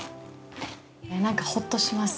なんかホッとします。